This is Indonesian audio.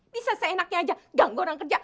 bisa seenaknya aja ganggu orang kerja